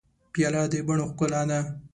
پیاله د بڼو ښکلا ده.